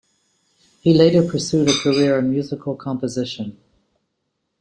He later pursued a career in musical composition.